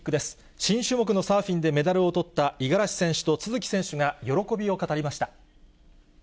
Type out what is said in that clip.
新種目のサーフィンでメダルをとった五十嵐選手と都筑選手が喜びを語りました。